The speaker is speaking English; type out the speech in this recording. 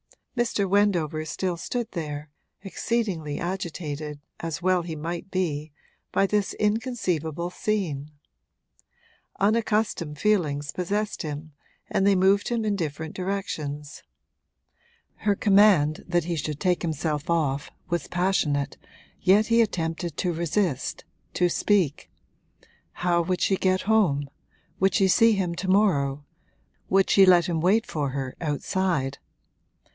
Mr. Wendover still stood there, exceedingly agitated, as well he might be, by this inconceivable scene. Unaccustomed feelings possessed him and they moved him in different directions. Her command that he should take himself off was passionate, yet he attempted to resist, to speak. How would she get home would she see him to morrow would she let him wait for her outside?